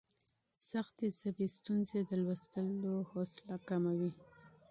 سختې ژبې ستونزې د لوستلو حوصله کموي.